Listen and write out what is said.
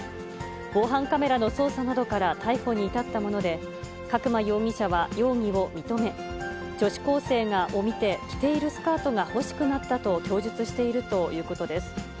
防犯カメラの捜査などから逮捕に至ったもので、角間容疑者は容疑を認め、女子高生を見て、着ているスカートが欲しくなったと供述しているということです。